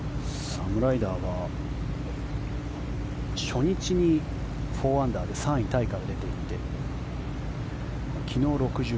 サム・ライダーが初日に４アンダーで３位タイから出ていって昨日、６８。